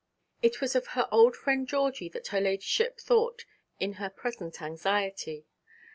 It was of her old friend Georgie that her ladyship thought in her present anxiety.